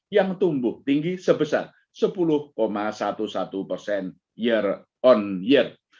yang tumbuh tinggi sebesar sepuluh sebelas persen year on year